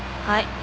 はい。